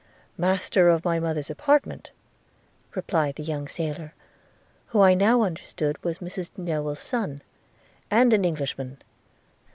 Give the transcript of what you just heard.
– 'Master of my mother's apartment,' replied, the young sailor, who I now understood was Mrs Newill's son – 'and an Englishman!